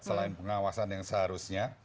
selain pengawasan yang seharusnya